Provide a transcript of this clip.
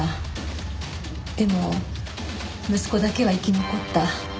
でも息子だけは生き残った。